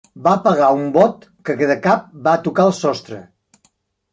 Va pegar un bot que de cap va tocar el sostre.